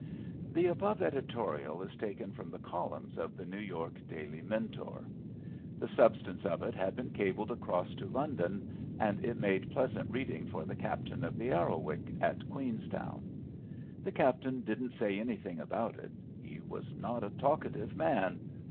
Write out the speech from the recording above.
The above editorial is taken from the columns of the New York Daily Mentor. The substance of it had been cabled across to London and it made pleasant reading for the captain of the Arrowic at Queenstown. The captain didn't say anything about it; he was not a talkative man.